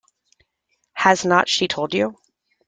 Has not she told you?